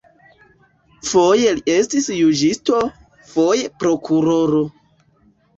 Foje li estis juĝisto, foje prokuroro.